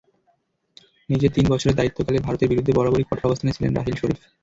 নিজের তিন বছরের দায়িত্বকালে ভারতের বিরুদ্ধে বরাবরই কঠোর অবস্থানে ছিলেন রাহিল শরিফ।